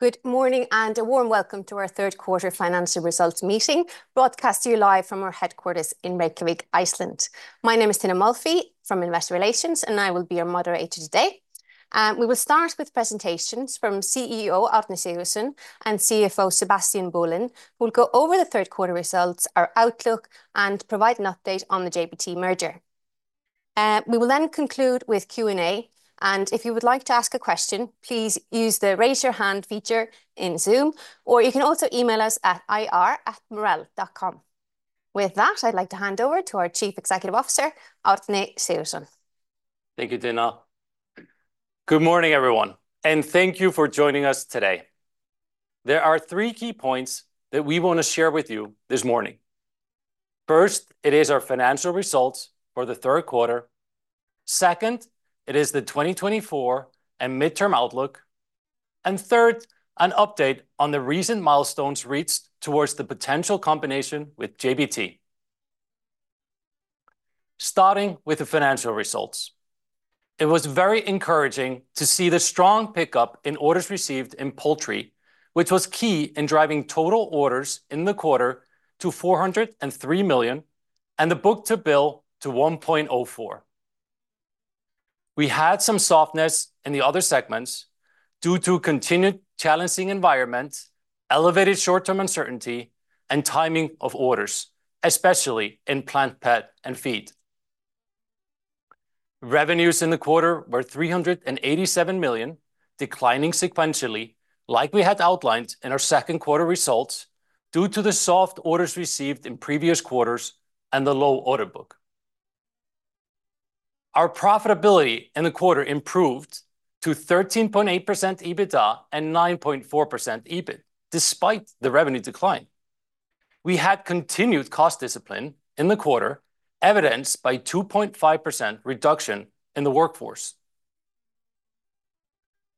Good morning and a warm welcome to our third quarter financial results meeting broadcast to you live from our headquarters in Reykjavík, Iceland. My name is Tinna Molphy from Investor Relations, and I will be your moderator today. We will start with presentations from CEO Árni Sigurdsson and CFO Sebastiaan Boelen, who will go over the third quarter results, our outlook, and provide an update on the JBT merger. We will then conclude with Q&A, and if you would like to ask a question, please use the raise your hand feature in Zoom, or you can also email us at ir@marel.com. With that, I'd like to hand over to our Chief Executive Officer, Arni Sigurdsson. Thank you, Tinna. Good morning, everyone, and thank you for joining us today. There are three key points that we want to share with you this morning. First, it is our financial results for the third quarter. Second, it is the 2024 and midterm outlook. And third, an update on the recent milestones reached towards the potential combination with JBT. Starting with the financial results, it was very encouraging to see the strong pickup in orders received in poultry, which was key in driving total orders in the quarter to 403 year-over-year and the book-to-bill to 1.04. We had some softness in the other segments due to continued challenging environments, elevated short-term uncertainty, and timing of orders, especially in plant, pet, and feed. Revenues in the quarter were 387 million, declining sequentially, like we had outlined in our second quarter results due to the soft orders received in previous quarters and the low order book. Our profitability in the quarter improved to 13.8% EBITDA and 9.4% EBIT, despite the revenue decline. We had continued cost discipline in the quarter, evidenced by a 2.5% reduction in the workforce.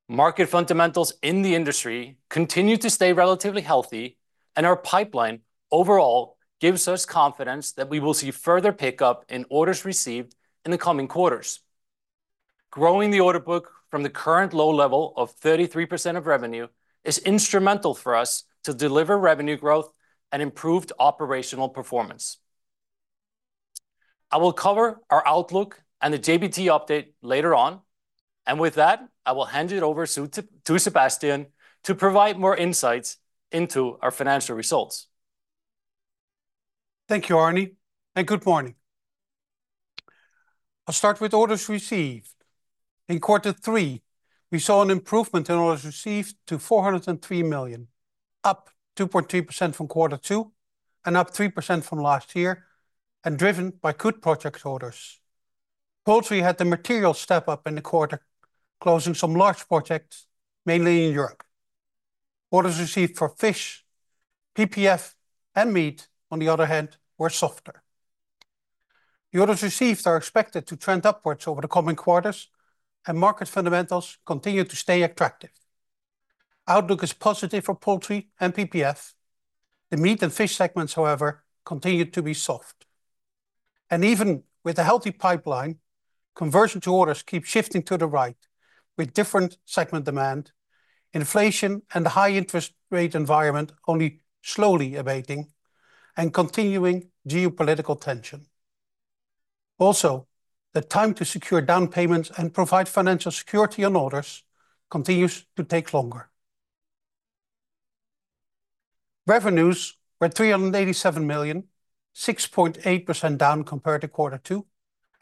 Market fundamentals in the industry continue to stay relatively healthy, and our pipeline overall gives us confidence that we will see further pickup in orders received in the coming quarters. Growing the order book from the current low level of 33% of revenue is instrumental for us to deliver revenue growth and improved operational performance. I will cover our outlook and the JBT update later on, and with that, I will hand it over to Sebastiaan to provide more insights into our financial results. Thank you, Arni, and good morning. I'll start with orders received. In quarter three, we saw an improvement in orders received to 403 million, up 2.3% from quarter two and up 3% from last year, and driven by good project orders. Poultry had the material step up in the quarter, closing some large projects, mainly in Europe. Orders received for fish, PPF, and meat, on the other hand, were softer. The orders received are expected to trend upwards over the coming quarters, and market fundamentals continue to stay attractive. Outlook is positive for poultry and PPF. The meat and fish segments, however, continue to be soft, and even with a healthy pipeline, conversion to orders keeps shifting to the right, with different segment demand, inflation, and the high interest rate environment only slowly abating, and continuing geopolitical tension. Also, the time to secure down payments and provide financial security on orders continues to take longer. Revenues were 387 million, 6.8% down compared to quarter two,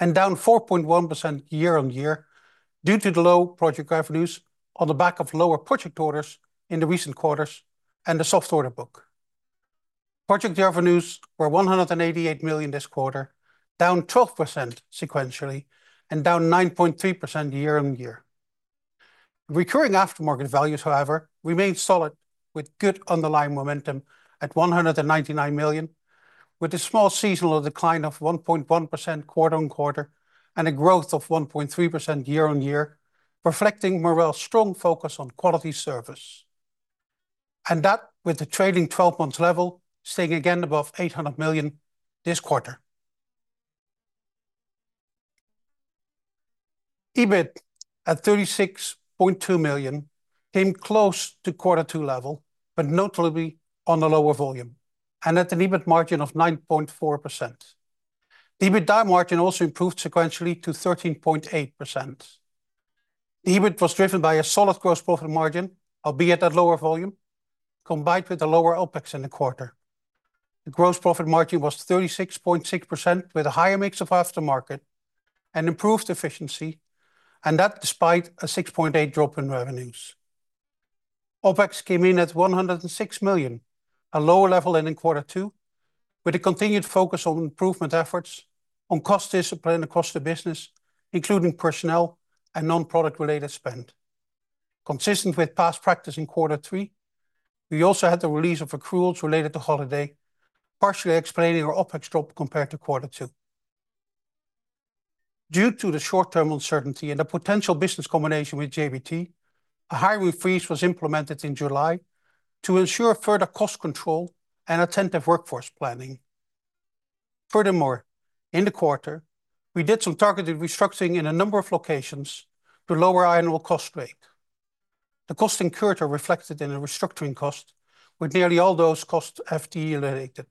and down 4.1% year-on-year due to the low project revenues on the back of lower project orders in the recent quarters and the soft order book. Project revenues were 188 million this quarter, down 12% sequentially, and down 9.3% year-on-year. Recurring aftermarket values, however, remained solid, with good underlying momentum at 199 million, with a small seasonal decline of 1.1% quarter on quarter and a growth of 1.3% year-on-year, reflecting Marel's strong focus on quality service, and that with the trailing 12-month level staying again above 800 million this quarter. EBIT at 36.2 million came close to quarter two level, but notably on the lower volume, and at an EBIT margin of 9.4%. EBITDA margin also improved sequentially to 13.8%. EBIT was driven by a solid gross profit margin, albeit at lower volume, combined with a lower OPEX in the quarter. The gross profit margin was 36.6%, with a higher mix of aftermarket and improved efficiency, and that despite a 6.8% drop in revenues. OPEX came in at 106 million, a lower level than in quarter two, with a continued focus on improvement efforts, on cost discipline across the business, including personnel and non-product related spend. Consistent with past practice in quarter three, we also had the release of accruals related to holiday, partially explaining our OPEX drop compared to quarter two. Due to the short-term uncertainty and the potential business combination with JBT, a hiring freeze was implemented in July to ensure further cost control and attentive workforce planning. Furthermore, in the quarter, we did some targeted restructuring in a number of locations to lower our annual cost rate. The cost incurred reflected in the restructuring cost, with nearly all those costs FTE related.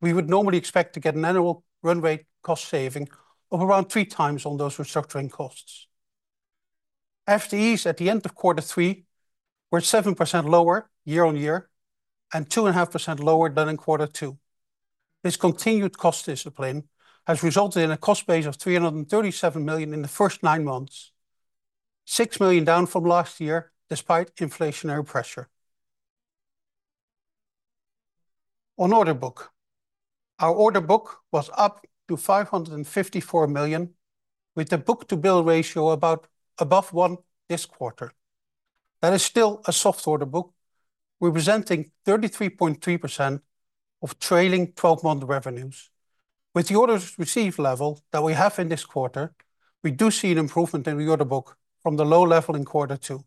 We would normally expect to get an annual run rate cost saving of around three times on those restructuring costs. FTEs at the end of quarter three were 7% lower year-on-year and 2.5% lower than in quarter two. This continued cost discipline has resulted in a cost base of 337 million in the first nine months, 6 million down from last year despite inflationary pressure. On order book, our order book was up to 554 million, with the book-to-bill ratio about above one this quarter. That is still a soft order book, representing 33.3% of trailing 12-month revenues. With the orders received level that we have in this quarter, we do see an improvement in the order book from the low level in quarter two,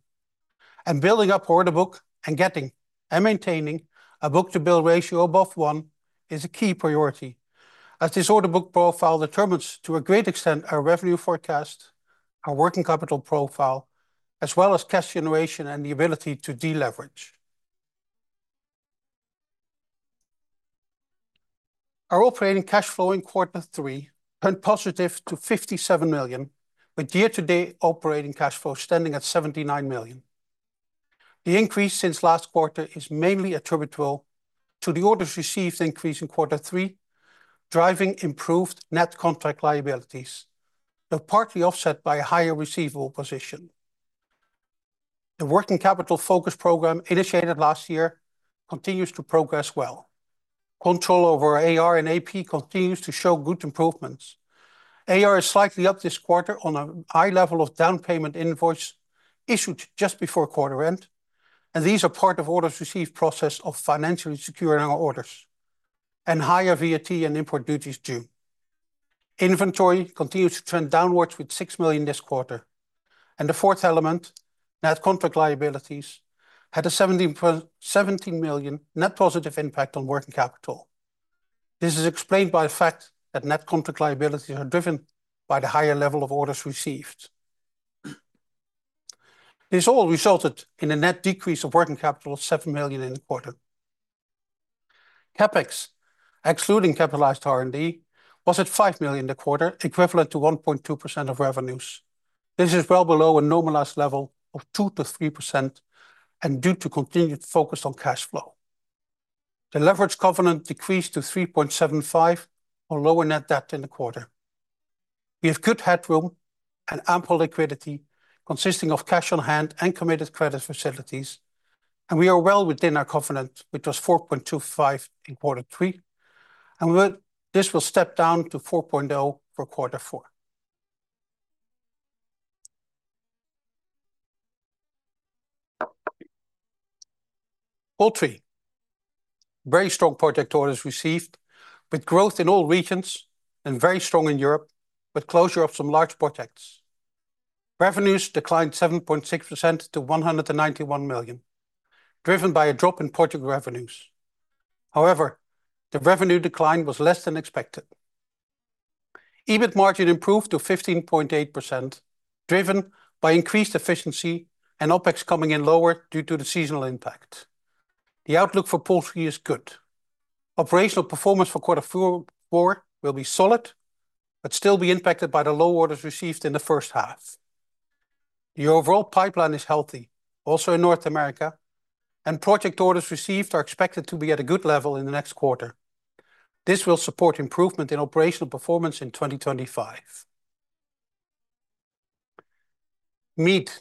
and building up order book and getting and maintaining a book to bill ratio above one is a key priority, as this order book profile determines to a great extent our revenue forecast, our working capital profile, as well as cash generation and the ability to deleverage. Our operating cash flow in quarter three turned positive to 57 million, with year-to-date operating cash flow standing at 79 million. The increase since last quarter is mainly attributable to the orders received increase in quarter three, driving improved net contract liabilities, though partly offset by a higher receivable position. The working capital focus program initiated last year continues to progress well. Control over AR and AP continues to show good improvements. AR is slightly up this quarter on a high level of down payment invoice issued just before quarter end, and these are part of orders received process of financially securing our orders and higher VAT and import duties due. Inventory continues to trend downwards with 6 million this quarter, and the fourth element, net contract liabilities, had a 17 million net positive impact on working capital. This is explained by the fact that net contract liabilities are driven by the higher level of orders received. This all resulted in a net decrease of working capital of 7 million in the quarter. CapEx, excluding capitalized R&D, was at 5 million in the quarter, equivalent to 1.2% of revenues. This is well below a normalized level of 2%-3% and due to continued focus on cash flow. The leverage covenant decreased to 3.75 on lower net debt in the quarter. We have good headroom and ample liquidity consisting of cash on hand and committed credit facilities, and we are well within our covenant, which was 4.25 in quarter three, and this will step down to 4.0 for quarter four. Poultry, very strong project orders received, with growth in all regions and very strong in Europe, with closure of some large projects. Revenues declined 7.6% to 191 million EUR, driven by a drop in project revenues. However, the revenue decline was less than expected. EBIT margin improved to 15.8%, driven by increased efficiency and OPEX coming in lower due to the seasonal impact. The outlook for poultry is good. Operational performance for quarter four will be solid, but still be impacted by the low orders received in the first half. The overall pipeline is healthy, also in North America, and project orders received are expected to be at a good level in the next quarter. This will support improvement in operational performance in 2025. Meat.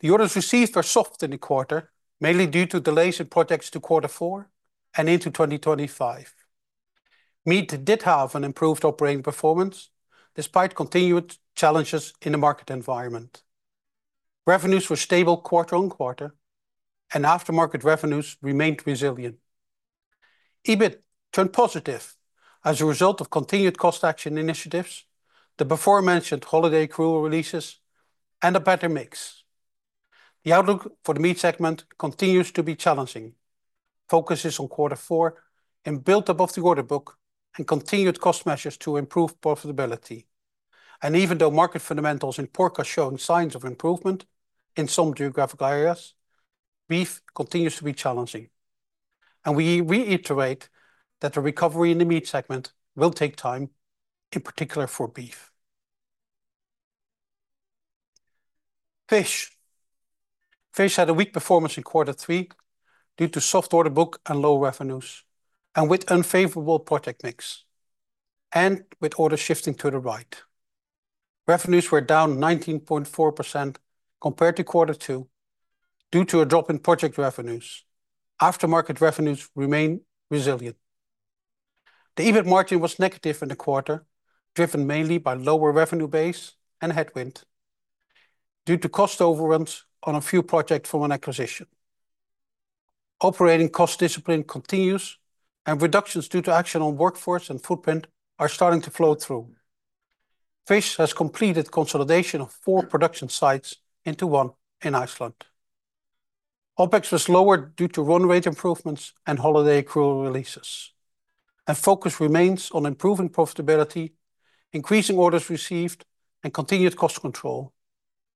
The orders received are soft in the quarter, mainly due to delays in projects to quarter four and into 2025. Meat did have an improved operating performance despite continued challenges in the market environment. Revenues were stable quarter on quarter, and aftermarket revenues remained resilient. EBIT turned positive as a result of continued cost action initiatives, the before-mentioned holiday accrual releases, and a better mix. The outlook for the meat segment continues to be challenging. Focus is on quarter four and building up the Order Book and continued cost measures to improve profitability, and even though market fundamentals in pork are showing signs of improvement in some geographical areas, beef continues to be challenging. We reiterate that the recovery in the meat segment will take time, in particular for beef. Fish. Fish had a weak performance in quarter three due to soft order book and low revenues, and with unfavorable project mix, and with orders shifting to the right. Revenues were down 19.4% compared to quarter two due to a drop in project revenues. Aftermarket revenues remain resilient. The EBIT margin was negative in the quarter, driven mainly by lower revenue base and headwind due to cost overruns on a few projects from an acquisition. Operating cost discipline continues, and reductions due to action on workforce and footprint are starting to flow through. Fish has completed consolidation of four production sites into one in Iceland. OPEX was lowered due to run rate improvements and holiday accrual releases. Focus remains on improving profitability, increasing orders received, and continued cost control.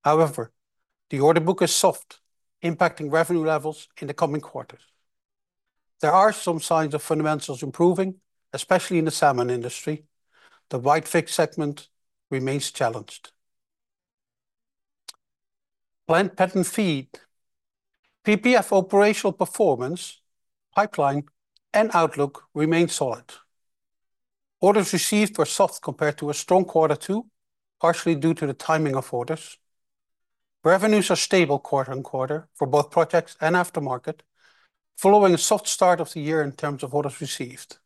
However, the order book is soft, impacting revenue levels in the coming quarters. There are some signs of fundamentals improving, especially in the salmon industry. The white fish segment remains challenged. Plant, pet, and feed. PPF operational performance, pipeline, and outlook remain solid. Orders received were soft compared to a strong quarter two, partially due to the timing of orders. Revenues are stable quarter on quarter for both projects and aftermarket, following a soft start of the year in terms of orders received.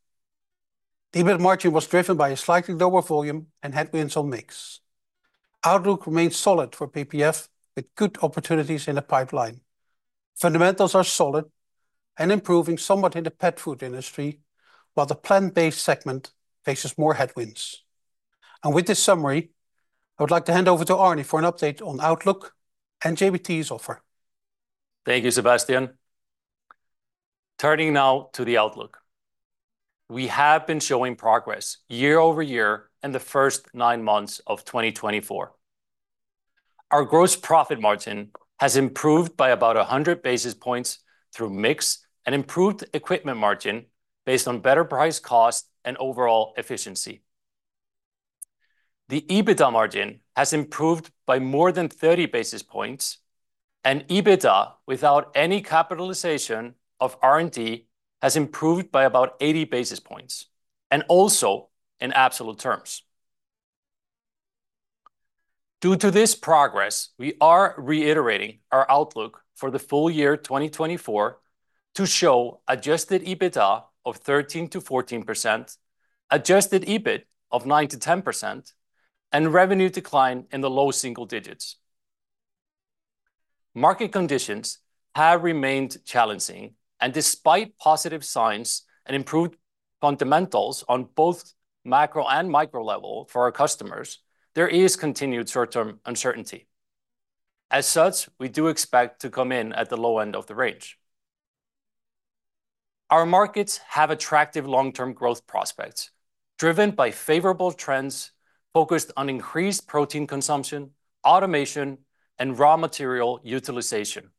The EBIT margin was driven by a slightly lower volume and headwinds on mix. Outlook remains solid for PPF, with good opportunities in the pipeline. Fundamentals are solid and improving somewhat in the pet food industry, while the plant-based segment faces more headwinds. And with this summary, I would like to hand over to Arni for an update on outlook and JBT's offer. Thank you, Sebastiaan. Turning now to the outlook. We have been showing progress year-over-year in the first nine months of 2024. Our gross profit margin has improved by about 100 basis points through mix and improved equipment margin based on better price cost and overall efficiency. The EBITDA margin has improved by more than 30 basis points, and EBITDA without any capitalization of R&D has improved by about 80 basis points, and also in absolute terms. Due to this progress, we are reiterating our outlook for the full year 2024 to show adjusted EBITDA of 13%-14%, adjusted EBIT of 9%-10%, and revenue decline in the low single digits. Market conditions have remained challenging, and despite positive signs and improved fundamentals on both macro and micro level for our customers, there is continued short-term uncertainty. As such, we do expect to come in at the low end of the range. Our markets have attractive long-term growth prospects driven by favorable trends focused on increased protein consumption, automation, and raw material utilization.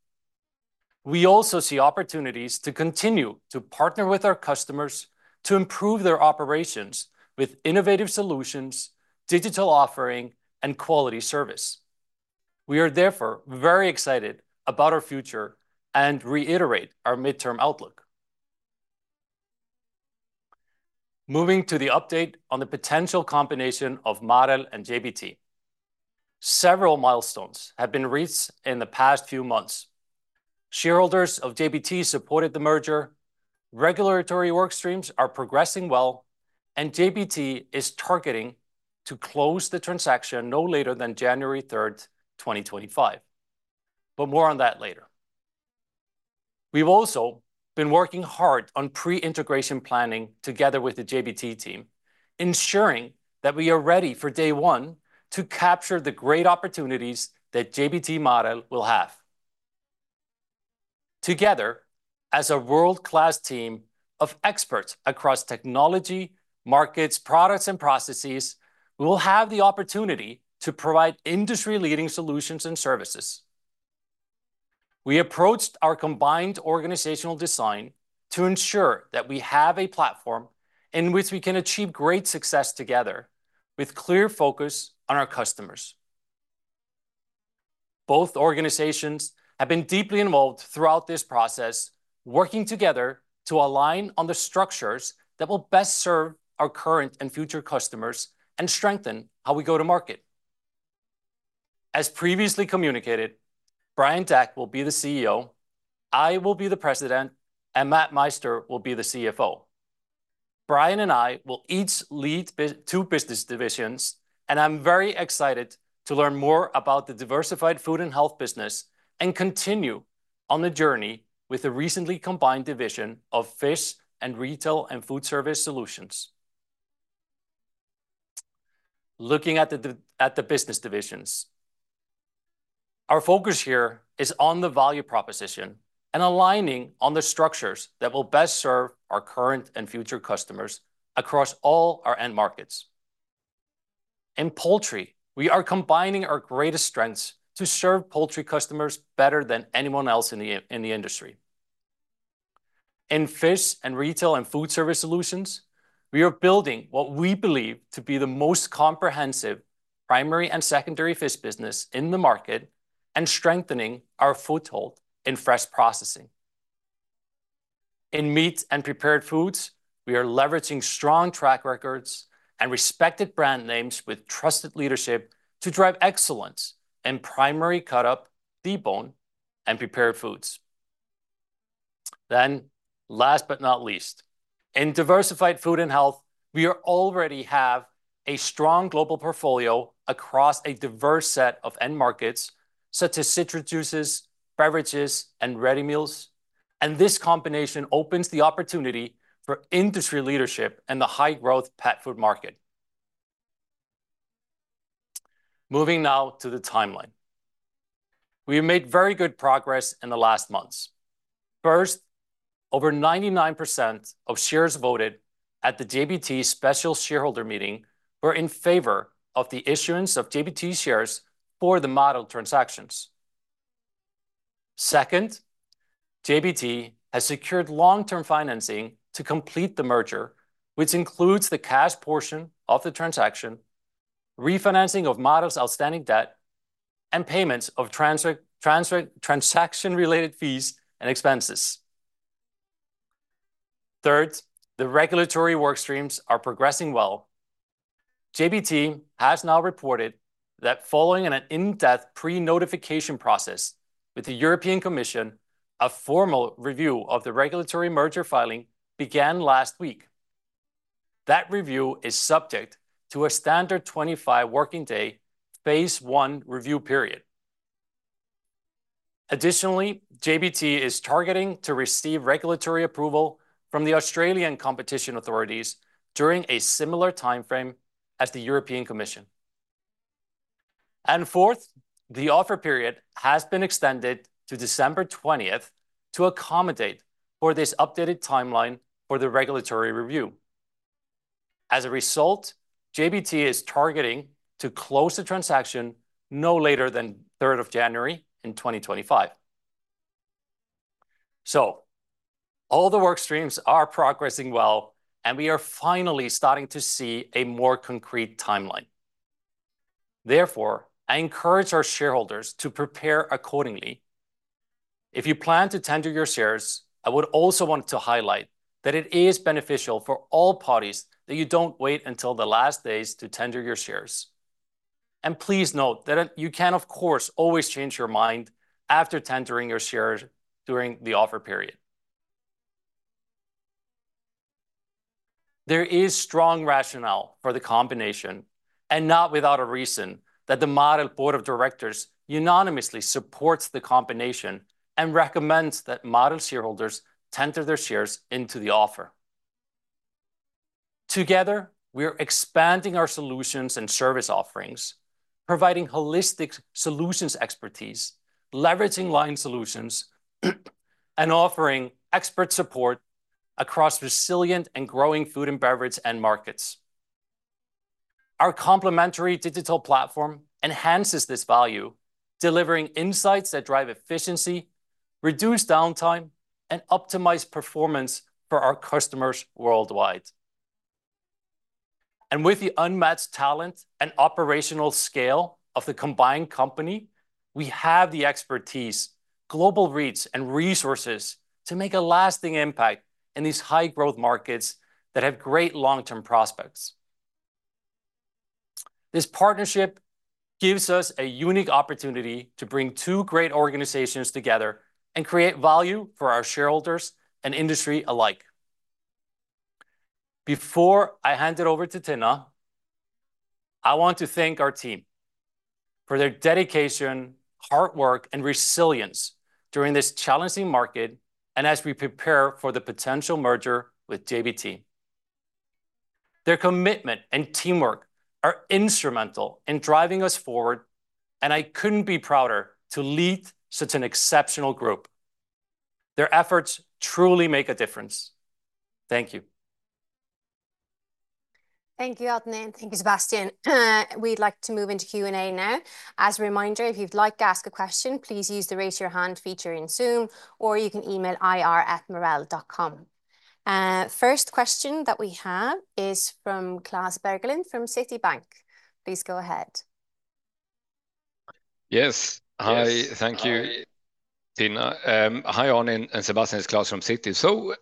We also see opportunities to continue to partner with our customers to improve their operations with innovative solutions, digital offering, and quality service. We are therefore very excited about our future and reiterate our midterm outlook. Moving to the update on the potential combination of Marel and JBT. Several milestones have been reached in the past few months. Shareholders of JBT supported the merger. Regulatory workstreams are progressing well, and JBT is targeting to close the transaction no later than January 3rd, 2025. But more on that later. We've also been working hard on pre-integration planning together with the JBT team, ensuring that we are ready for day one to capture the great opportunities that JBT Marel will have. Together, as a world-class team of experts across technology, markets, products, and processes, we will have the opportunity to provide industry-leading solutions and services. We approached our combined organizational design to ensure that we have a platform in which we can achieve great success together with clear focus on our customers. Both organizations have been deeply involved throughout this process, working together to align on the structures that will best serve our current and future customers and strengthen how we go to market. As previously communicated, Brian Deck will be the CEO, I will be the President, and Matt Meister will be the CFO. Brian and I will each lead two business divisions, and I'm very excited to learn more about the Diversified Food and Health business and continue on the journey with the recently combined division of Fish and Retail and Food Service Solutions. Looking at the business divisions, our focus here is on the value proposition and aligning on the structures that will best serve our current and future customers across all our end markets. In Poultry, we are combining our greatest strengths to serve poultry customers better than anyone else in the industry. In Fish and Retail and Food Service Solutions, we are building what we believe to be the most comprehensive primary and secondary Fish business in the market and strengthening our foothold in fresh processing. In meat and prepared foods, we are leveraging strong track records and respected brand names with trusted leadership to drive excellence in primary cut-up, deboned, and prepared foods. Then, last but not least, in diversified food and health, we already have a strong global portfolio across a diverse set of end markets such as citrus juices, beverages, and ready meals, and this combination opens the opportunity for industry leadership in the high-growth pet food market. Moving now to the timeline. We have made very good progress in the last months. First, over 99% of shares voted at the JBT special shareholder meeting were in favor of the issuance of JBT shares for the model transactions. Second, JBT has secured long-term financing to complete the merger, which includes the cash portion of the transaction, refinancing of Marel's outstanding debt, and payments of transaction-related fees and expenses. Third, the regulatory workstreams are progressing well. JBT has now reported that following an in-depth pre-notification process with the European Commission, a formal review of the regulatory merger filing began last week. That review is subject to a standard 25 working day phase one review period. Additionally, JBT is targeting to receive regulatory approval from the Australian competition authorities during a similar timeframe as the European Commission. And fourth, the offer period has been extended to December 20th to accommodate for this updated timeline for the regulatory review. As a result, JBT is targeting to close the transaction no later than 3rd of January in 2025. So, all the workstreams are progressing well, and we are finally starting to see a more concrete timeline. Therefore, I encourage our shareholders to prepare accordingly. If you plan to tender your shares, I would also want to highlight that it is beneficial for all parties that you don't wait until the last days to tender your shares. And please note that you can, of course, always change your mind after tendering your shares during the offer period. There is strong rationale for the combination, and not without a reason, that the Marel Board of Directors unanimously supports the combination and recommends that Marel shareholders tender their shares into the offer. Together, we are expanding our solutions and service offerings, providing holistic solutions expertise, leveraging line solutions, and offering expert support across resilient and growing food and beverage end markets. Our complementary digital platform enhances this value, delivering insights that drive efficiency, reduce downtime, and optimize performance for our customers worldwide. And with the unmatched talent and operational scale of the combined company, we have the expertise, global reach, and resources to make a lasting impact in these high-growth markets that have great long-term prospects. This partnership gives us a unique opportunity to bring two great organizations together and create value for our shareholders and industry alike. Before I hand it over to Tinna, I want to thank our team for their dedication, hard work, and resilience during this challenging market and as we prepare for the potential merger with JBT. Their commitment and teamwork are instrumental in driving us forward, and I couldn't be prouder to lead such an exceptional group. Their efforts truly make a difference. Thank you. Thank you, Arni, and thank you, Sebastiaan. We'd like to move into Q&A now. As a reminder, if you'd like to ask a question, please use the raise your hand feature in Zoom, or you can email ir@marel.com. First question that we have is from Klas Bergelind from Citibank. Please go ahead. Yes. Hi, thank you, Tinna. Hi, Árni and Sebastiaan. It's Klas from Citi. So,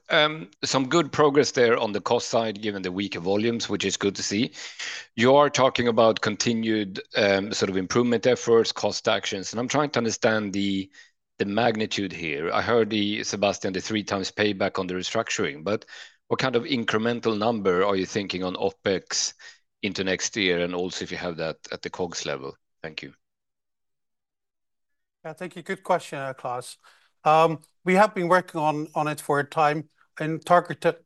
some good progress there on the cost side given the weaker volumes, which is good to see. You are talking about continued sort of improvement efforts, cost actions, and I'm trying to understand the magnitude here. I heard, Sebastiaan, the three times payback on the restructuring, but what kind of incremental number are you thinking on OPEX into next year and also if you have that at the COGS level? Thank you. Yeah, thank you. Good question, Klas. We have been working on it for a time in targeted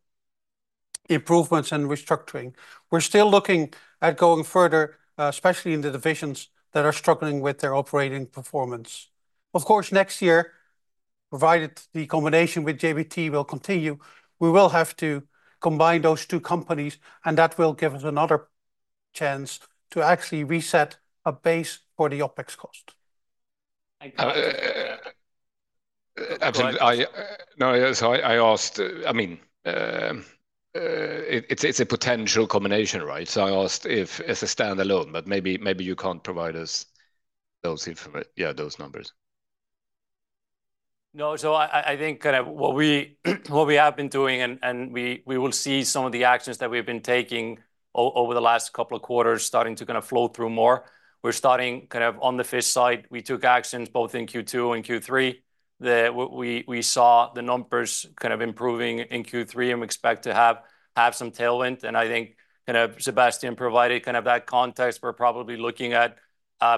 improvements and restructuring. We're still looking at going further, especially in the divisions that are struggling with their operating performance. Of course, next year, provided the combination with JBT will continue, we will have to combine those two companies, and that will give us another chance to actually reset a base for the OPEX cost. Absolutely. No, so I asked, I mean, it's a potential combination, right? So I asked if as a standalone, but maybe you can't provide us those info, yeah, those numbers. No, so I think kind of what we have been doing, and we will see some of the actions that we've been taking over the last couple of quarters starting to kind of flow through more. We're starting kind of on the fish side. We took actions both in Q2 and Q3. We saw the numbers kind of improving in Q3 and we expect to have some tailwind. And I think kind of Sebastiaan provided kind of that context. We're probably looking at,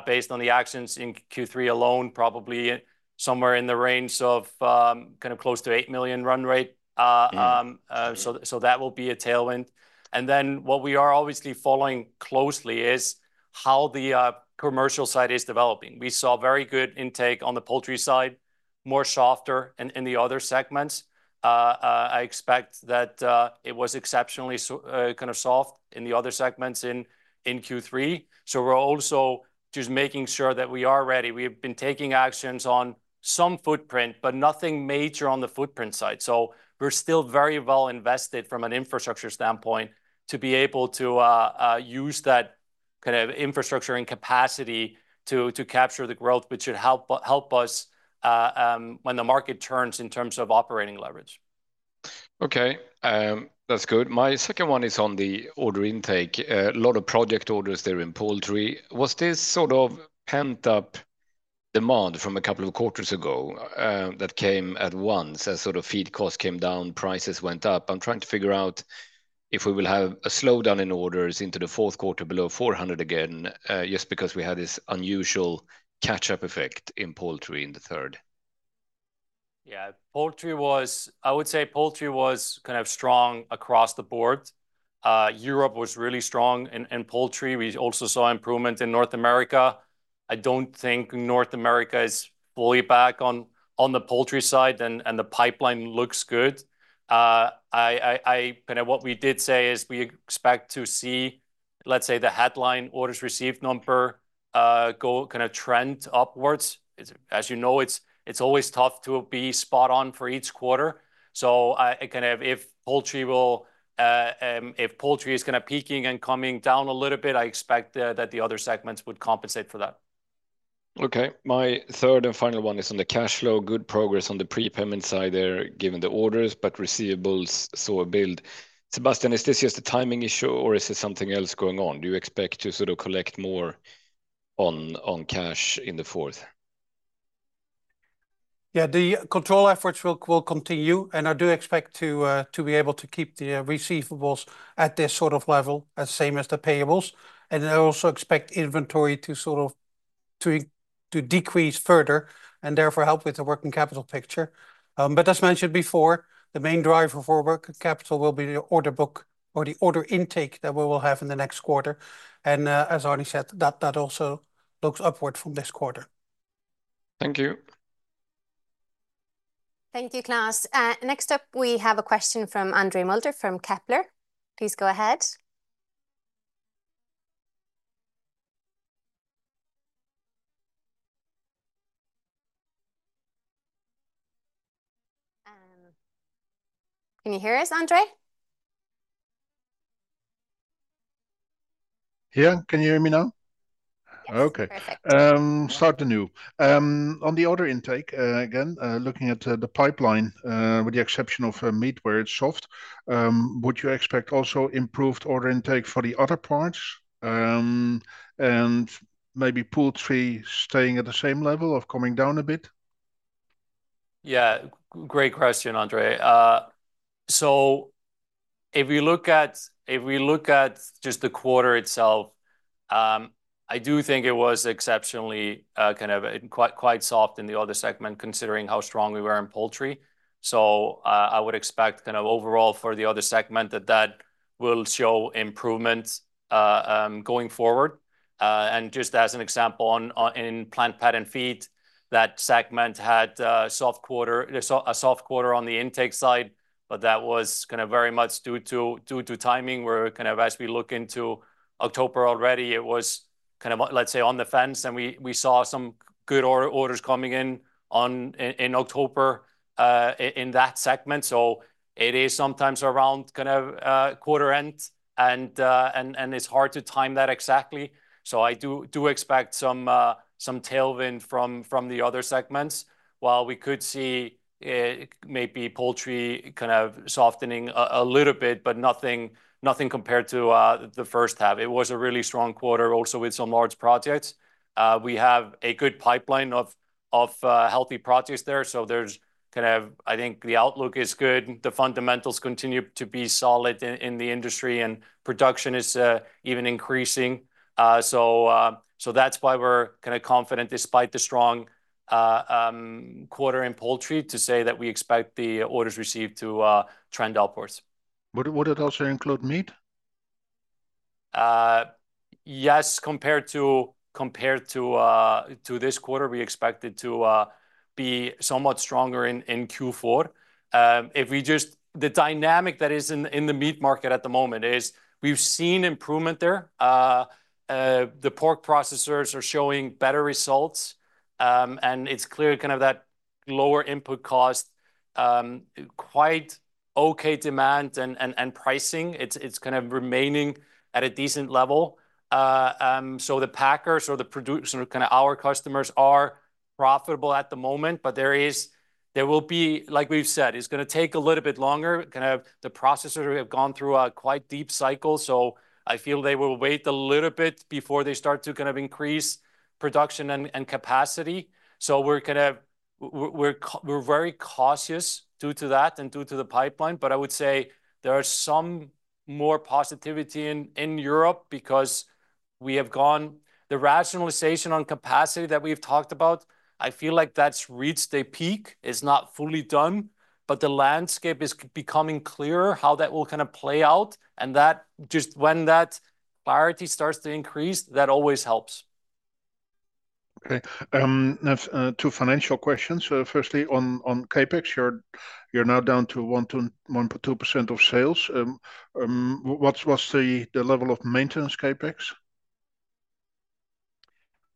based on the actions in Q3 alone, probably somewhere in the range of kind of close to 8 million run rate. So that will be a tailwind. And then what we are obviously following closely is how the commercial side is developing. We saw very good intake on the poultry side, softer in the other segments. I expect that it was exceptionally kind of soft in the other segments in Q3. So we're also just making sure that we are ready. We've been taking actions on some footprint, but nothing major on the footprint side. So we're still very well invested from an infrastructure standpoint to be able to use that kind of infrastructure and capacity to capture the growth, which should help us when the market turns in terms of operating leverage. Okay, that's good. My second one is on the order intake. A lot of project orders there in poultry. Was this sort of pent-up demand from a couple of quarters ago that came at once as sort of feed costs came down, prices went up? I'm trying to figure out if we will have a slowdown in orders into the fourth quarter below 400 again, just because we had this unusual catch-up effect in poultry in the third. Yeah, poultry was, I would say, poultry was kind of strong across the board. Europe was really strong in poultry. We also saw improvement in North America. I don't think North America is fully back on the poultry side, and the pipeline looks good. Kind of what we did say is we expect to see, let's say, the headline orders received number go kind of trend upwards. As you know, it's always tough to be spot on for each quarter. So kind of if poultry will, if poultry is kind of peaking and coming down a little bit, I expect that the other segments would compensate for that. Okay, my third and final one is on the cash flow. Good progress on the prepayment side there given the orders, but receivables saw a build. Sebastiaan, is this just a timing issue or is it something else going on? Do you expect to sort of collect more on cash in the fourth? Yeah, the control efforts will continue, and I do expect to be able to keep the receivables at this sort of level, same as the payables. And I also expect inventory to sort of decrease further and therefore help with the working capital picture. But as mentioned before, the main driver for working capital will be the order book or the order intake that we will have in the next quarter. And as Arni said, that also looks upward from this quarter. Thank you. Thank you, Klas. Next up, we have a question from Andre Mulder from Kepler. Please go ahead. Can you hear us, Andre? Yeah, can you hear me now? Okay, start anew. On the order intake again, looking at the pipeline with the exception of meat where it's soft, would you expect also improved order intake for the other parts and maybe poultry staying at the same level or coming down a bit? Yeah, great question, Andre. So if we look at just the quarter itself, I do think it was exceptionally kind of quite soft in the other segment considering how strong we were in poultry. So I would expect kind of overall for the other segment that will show improvements going forward. And just as an example, in plant, pet, and feed, that segment had a soft quarter on the intake side, but that was kind of very much due to timing. We're kind of, as we look into October already, it was kind of, let's say, on the fence, and we saw some good orders coming in in October in that segment. So it is sometimes around kind of quarter end, and it's hard to time that exactly. So I do expect some tailwind from the other segments while we could see maybe poultry kind of softening a little bit, but nothing compared to the first half. It was a really strong quarter also with some large projects. We have a good pipeline of healthy projects there. So there's kind of, I think the outlook is good. The fundamentals continue to be solid in the industry, and production is even increasing. So that's why we're kind of confident despite the strong quarter in poultry to say that we expect the orders received to trend upwards. Would it also include meat? Yes, compared to this quarter, we expect it to be somewhat stronger in Q4. The dynamic that is in the meat market at the moment is we've seen improvement there. The pork processors are showing better results, and it's clear kind of that lower input cost, quite okay demand and pricing. It's kind of remaining at a decent level. So the packers or the producers, kind of our customers are profitable at the moment, but there is, there will be, like we've said, it's going to take a little bit longer. Kind of the processors have gone through a quite deep cycle, so I feel they will wait a little bit before they start to kind of increase production and capacity. So we're kind of very cautious due to that and due to the pipeline, but I would say there are some more positivity in Europe because we have gone, the rationalization on capacity that we've talked about. I feel like that's reached a peak. It's not fully done, but the landscape is becoming clearer how that will kind of play out. And that just when that clarity starts to increase, that always helps. Okay, two financial questions. Firstly, on CapEx, you're now down to 1.2% of sales. What's the level of maintenance CapEx?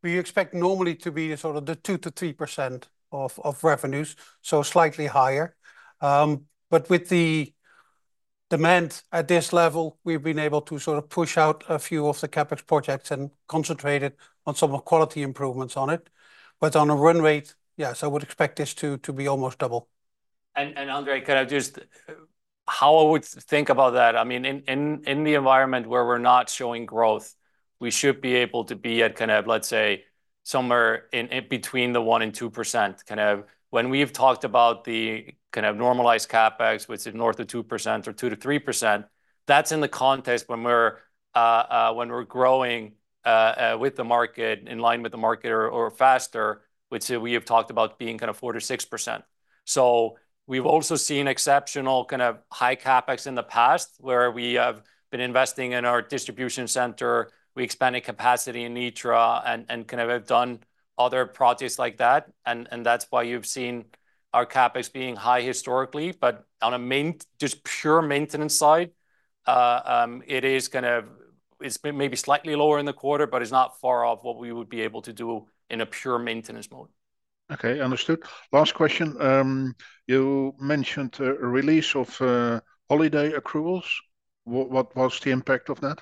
We expect normally to be sort of the 2%-3% of revenues, so slightly higher, but with the demand at this level, we've been able to sort of push out a few of the Capex projects and concentrate it on some of quality improvements on it, but on a run rate, yes, I would expect this to be almost double. Andre, kind of just how I would think about that. I mean, in the environment where we're not showing growth, we should be able to be at kind of, let's say, somewhere in between the 1-2%. Kind of when we've talked about the kind of normalized CapEx, which is north of 2% or 2-3%, that's in the context when we're growing with the market, in line with the market or faster, which we have talked about being kind of 4-6%. So we've also seen exceptional kind of high CapEx in the past where we have been investing in our distribution center. We expanded capacity in Nitra and kind of have done other projects like that. And that's why you've seen our CapEx being high historically. But on a just pure maintenance side, it is kind of. It's maybe slightly lower in the quarter, but it's not far off what we would be able to do in a pure maintenance mode. Okay, understood. Last question. You mentioned a release of holiday accruals. What was the impact of that?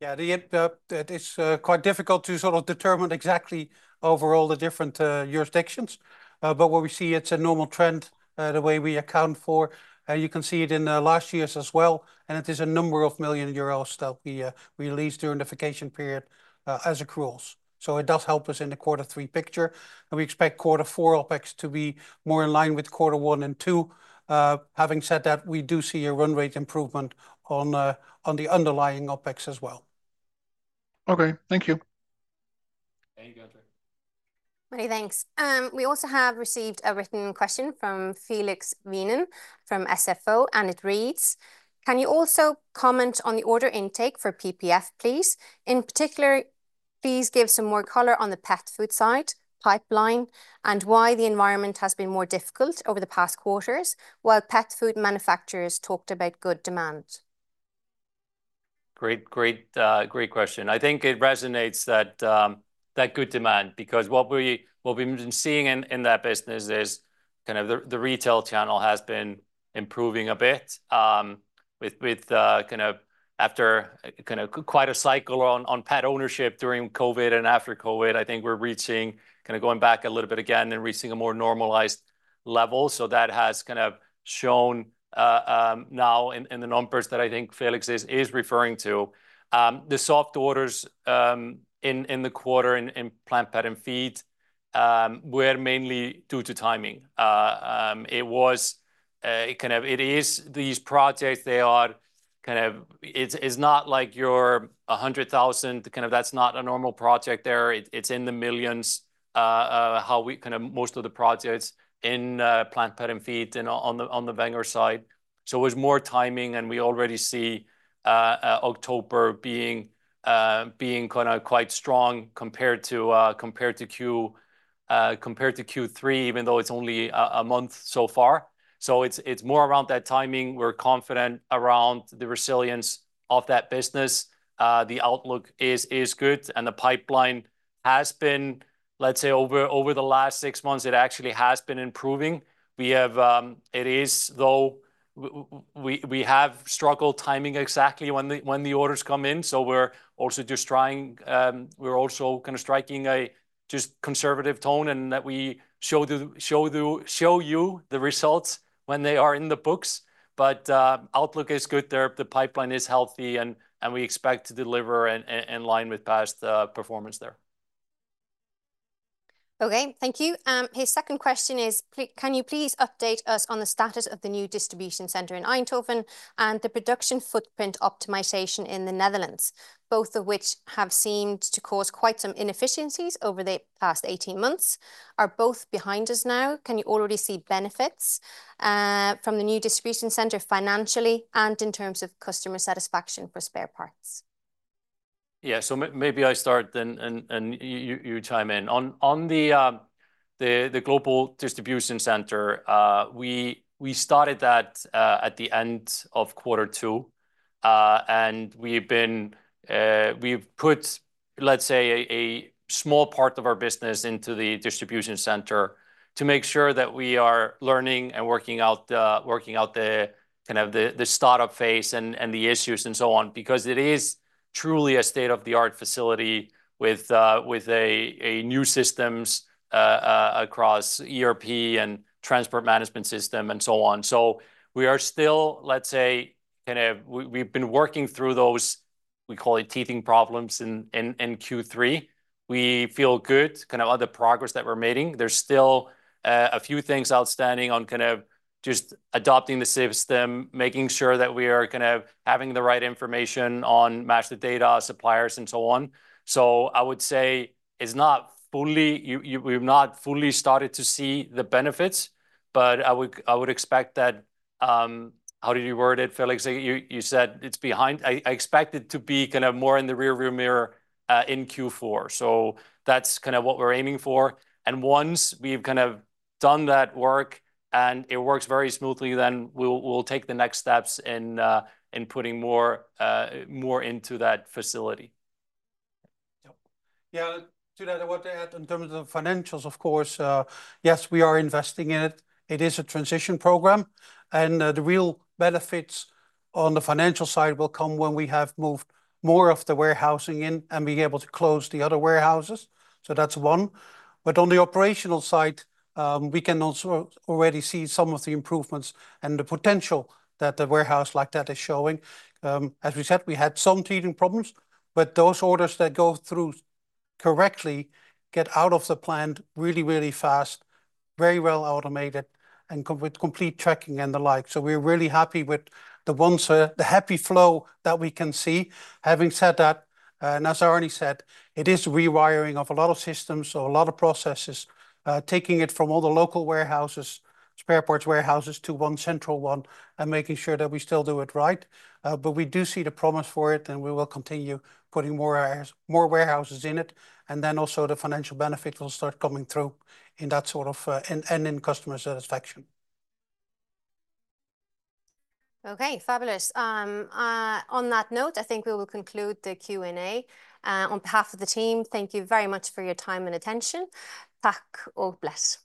Yeah, it's quite difficult to sort of determine exactly overall the different jurisdictions, but what we see, it's a normal trend the way we account for. You can see it in last year's as well, and it is a number of million euros that we released during the vacation period as accruals, so it does help us in the quarter three picture. We expect quarter four OPEX to be more in line with quarter one and two. Having said that, we do see a run rate improvement on the underlying OPEX as well. Okay, thank you. Thank you, Andre. Many thanks. We also have received a written question from Felix Wienen from SFO, and it reads, "Can you also comment on the order intake for PPF, please? In particular, please give some more color on the pet food side pipeline and why the environment has been more difficult over the past quarters while pet food manufacturers talked about good demand. Great, great, great question. I think it resonates that good demand because what we've been seeing in that business is kind of the retail channel has been improving a bit with kind of after kind of quite a cycle on pet ownership during COVID and after COVID. I think we're reaching kind of going back a little bit again and reaching a more normalized level. So that has kind of shown now in the numbers that I think Felix is referring to. The soft orders in the quarter in Plant, Pet, and Feed were mainly due to timing. It was kind of, it is these projects, they are kind of, it's not like you're 100,000, kind of that's not a normal project there. It's in the millions how we kind of most of the projects in Plant, Pet, and Feed on the Wenger side. So it was more timing, and we already see October being kind of quite strong compared to Q3, even though it's only a month so far. So it's more around that timing. We're confident around the resilience of that business. The outlook is good, and the pipeline has been, let's say, over the last six months, it actually has been improving. It is, though, we have struggled timing exactly when the orders come in. So we're also just trying, we're also kind of striking a just conservative tone and that we show you the results when they are in the books. But outlook is good there. The pipeline is healthy, and we expect to deliver in line with past performance there. Okay, thank you. His second question is, "Can you please update us on the status of the new distribution center in Eindhoven and the production footprint optimization in the Netherlands, both of which have seemed to cause quite some inefficiencies over the past 18 months? Are both behind us now? Can you already see benefits from the new distribution center financially and in terms of customer satisfaction for spare parts? Yeah, so maybe I start and you chime in. On the global distribution center, we started that at the end of quarter two, and we've put, let's say, a small part of our business into the distribution center to make sure that we are learning and working out the kind of the startup phase and the issues and so on, because it is truly a state-of-the-art facility with new systems across ERP and transport management system and so on. So we are still, let's say, kind of we've been working through those, we call it teething problems in Q3. We feel good kind of on the progress that we're making. There's still a few things outstanding on kind of just adopting the system, making sure that we are kind of having the right information to match the data, suppliers, and so on. So, I would say it's not fully. We've not fully started to see the benefits, but I would expect that. How did you word it, Felix? You said it's behind. I expect it to be kind of more in the rearview mirror in Q4. So that's kind of what we're aiming for. And once we've kind of done that work and it works very smoothly, then we'll take the next steps in putting more into that facility. Yeah, to that, I want to add in terms of financials, of course. Yes, we are investing in it. It is a transition program, and the real benefits on the financial side will come when we have moved more of the warehousing in and be able to close the other warehouses, so that's one, but on the operational side, we can also already see some of the improvements and the potential that the warehouse like that is showing. As we said, we had some teething problems, but those orders that go through correctly get out of the plant really, really fast, very well automated, and with complete tracking and the like, so we're really happy with the happy flow that we can see. Having said that, and as I already said, it is rewiring of a lot of systems, a lot of processes, taking it from all the local warehouses, spare parts warehouses to one central one and making sure that we still do it right. But we do see the promise for it, and we will continue putting more warehouses in it. And then also the financial benefit will start coming through in that sort of and in customer satisfaction. Okay, fabulous. On that note, I think we will conclude the Q&A. On behalf of the team, thank you very much for your time and attention. Takk og bless.